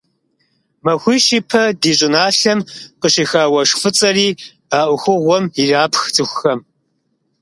Махуищ ипэ ди щӀыналъэм къыщеха уэшх фӀыцӀэри а Ӏуэхугъуэм ирапх цӀыхухэм.